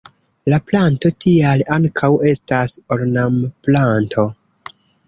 La planto tial ankaŭ estas ornamplanto.